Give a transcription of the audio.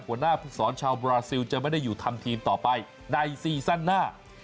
หัวหน้าภูมิสอนชาวบราซิลจะไม่ได้อยู่ทำทีมต่อไปในซีซั่นหน้า